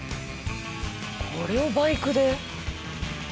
これをバイクで？